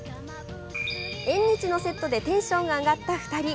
縁日のセットでテンションが上がった２人。